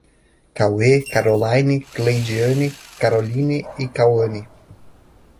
Caue, Carolaine, Cleidiane, Karoline e Kauane